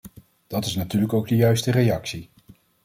Dat is natuurlijk ook de juiste reactie.